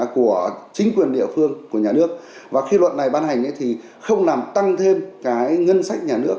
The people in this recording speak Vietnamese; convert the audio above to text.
của chính quyền địa phương của nhà nước và khi luật này ban hành thì không làm tăng thêm cái ngân sách nhà nước